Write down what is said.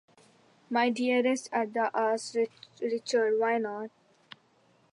"My dearest Ada," asked Richard, "why not?"